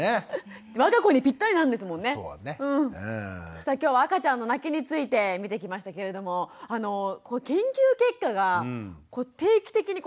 さあ今日は赤ちゃんの泣きについて見てきましたけれども研究結果が定期的に発表される。